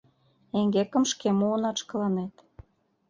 Эҥгекым шке муынат шкаланет